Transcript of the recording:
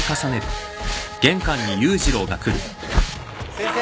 先生。